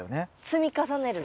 積み重ねる。